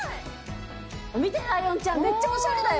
見て、ライオンちゃんめっちゃおしゃれだよ。